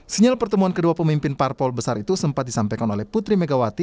sinyal pertemuan kedua pemimpin parpol besar itu sempat disampaikan oleh putri megawati